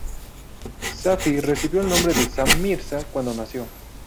Safi recibió el nombre de Sam Mirza cuando nació.